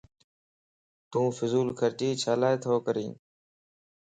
تون فضول خرچي ڇيلا تو ڪرين؟